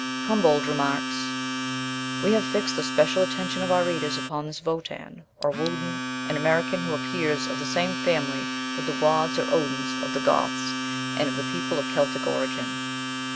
Humboldt remarks: "We have fixed the special attention of our readers upon this Votan, or Wodan, an American who appears of the same family with the Wods or Odins of the Goths and of the people of Celtic origin.